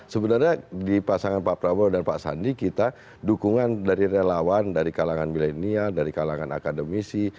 sebenarnya di pasangan pak prabowo dan pak sandi kita dukungan dari relawan dari kalangan milenial dari kalangan akademisi